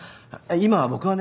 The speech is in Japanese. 今僕はね。